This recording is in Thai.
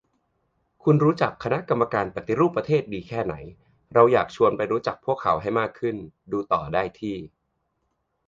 คุณรู้จัก คณะกรรมการปฏิรูปประเทศ ดีแค่ไหน ? เราอยากชวนไปรู้จักพวกเขาให้มากขึ้น ดูต่อได้ที่